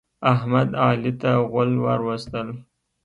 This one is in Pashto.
احمد، علي ته غول ور وستل.